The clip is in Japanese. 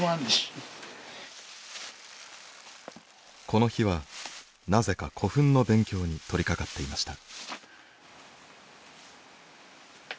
この日はなぜか古墳の勉強に取りかかっていました。